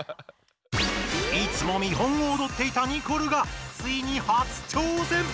いつも見本をおどっていたニコルがついに初挑戦！